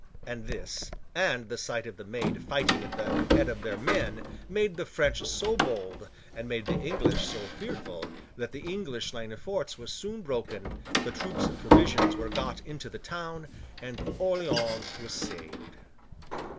And this, and the sight of the Maid fighting at the head of their men, made the French so bold, and made the English so fearful, that the English line of forts was soon broken, the troops and provisions were got into the town, and Orleans was saved.